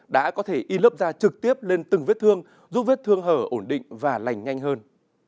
đã có thể in lớp da trực tiếp lên từng vết thương giúp vết thương hở ổn định và lành nhanh hơn